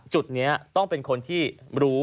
จุดนี้ต้องเป็นคนที่รู้